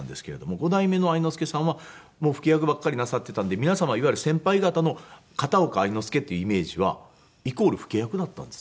五代目の愛之助さんは老け役ばっかりなさってたんで皆様いわゆる先輩方の片岡愛之助というイメージはイコール老け役だったんです。